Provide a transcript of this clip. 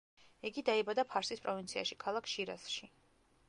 იგი დაიბადა ფარსის პროვინციაში, ქალაქ შირაზში.